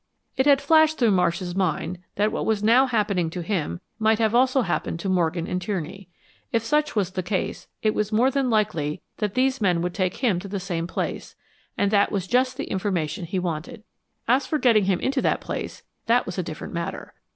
It had flashed through Marsh's mind that what was now happening to him might have also happened to Morgan and Tierney. If such was the case it was more than likely that these men would take him to the same place, and that was just the information he wanted. As for getting him into that place, that was a different matter.